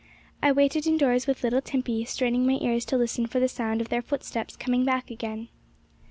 I waited indoors with little Timpey, straining my ears to listen for the sound of their footsteps coming back again.